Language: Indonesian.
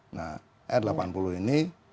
nah r delapan puluh ini